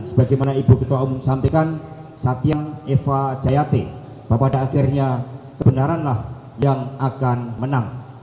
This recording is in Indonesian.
sebagaimana ibu ketua umum sampaikan satya eva jayate bahwa pada akhirnya kebenaranlah yang akan menang